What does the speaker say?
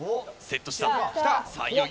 セットしたさぁ